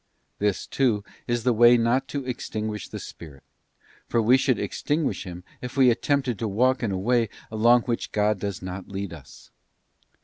This, too, is the way not to extinguish the Spirit, for we should extin guish Him if we attempted to walk in a way along which God does not lead us.